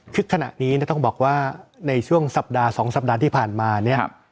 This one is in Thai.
ซึ่งขณะนี้ต้องบอกว่าในช่วงสัปดาห์๒สัปดาห์ที่ผ่านมาเนี่ย